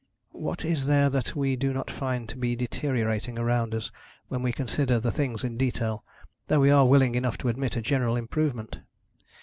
What is there that we do not find to be deteriorating around us when we consider the things in detail, though we are willing enough to admit a general improvement?